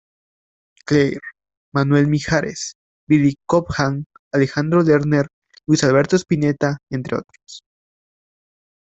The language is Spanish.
Clair, Manuel Mijares, Billy Cobham, Alejandro Lerner, Luis Alberto Spinetta, entre otros.